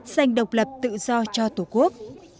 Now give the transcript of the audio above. dành độc lập tự do cho tổ quốc